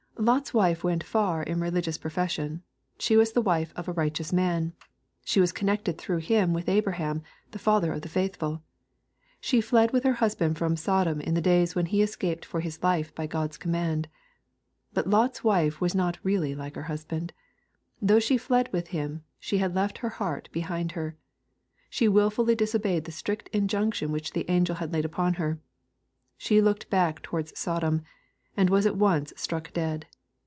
Lot's wife went far in religious profession. She was the wife of a "righteous man." She was connected through him with Abraham, the father of the faithful. She fled with her husband from Sodom in the day when he escaped for his life by God's command. But Lot's wife was not really like her husband. Though she fled with him, she had left her heart behind her. She wil fully disobeyed the strict injunction which the angel had laid upon her. She looked back towards Sodom, and was at once struck dead.